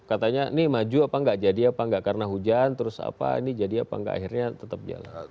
katanya ini maju apa nggak jadi apa nggak karena hujan terus apa ini jadi apa enggak akhirnya tetap jalan